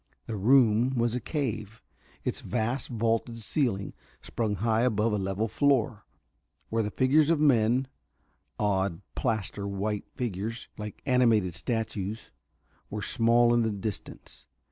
The room was a cave, its vast vaulted ceiling sprung high above a level floor, where the figures of men odd, plaster white figures like animated statues were small in the distance.